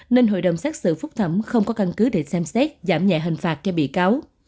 nên hội đồng xét xử phúc thẩm không có căn cứ để xem xét giảm nhẹ hình phạt cho bị cáo